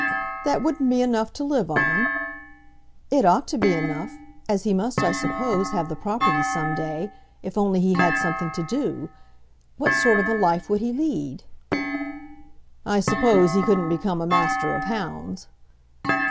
"That wouldn't be enough to live on?" "It ought to be enough, as he must, I suppose, have the property some day, if only he had something to do. What sort of a life would he lead?" "I suppose he couldn't become a Master of Hounds?"